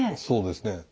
そうですね。